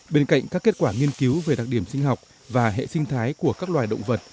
bên cạnh các kết quả nghiên cứu về đặc điểm sinh học và hệ sinh thái của các loài động vật